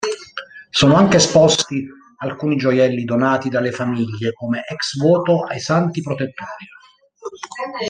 Sono anche esposti alcuni gioielli donati dalle famiglie come ex voto ai santi protettori.